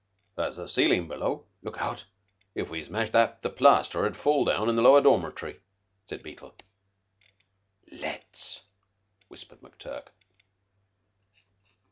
"That's the ceiling below. Look out! If we smashed that the plaster 'ud fall down in the lower dormitory," said Beetle. "Let's," whispered McTurk.